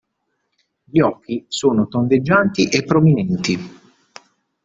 Gli occhi sono tondeggianti e prominenti.